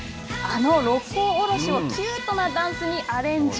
あの「六甲おろし」をキュートなダンスにアレンジ。